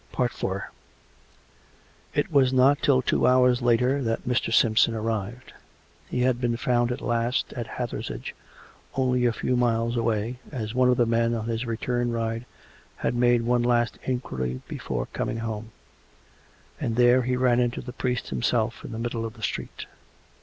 IV It was not till two hours later that Mr. Simpson arrived. He had been found at last at Hathersage, only a few miles away, as one of the men, on his return ride, had made one last inquiry before coming home; and there he ran into the priest himself in the middle of the street.